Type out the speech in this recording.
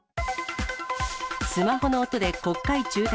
スマホの音で国会中断。